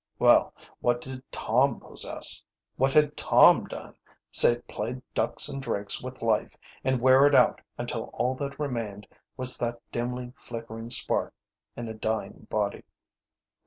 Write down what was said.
Well, what did Tom possess? What had Tom done? save play ducks and drakes with life and wear it out until all that remained was that dimly flickering spark in a dying body.